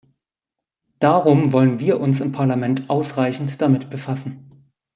Darum wollen wir uns im Parlament ausreichend damit befassen.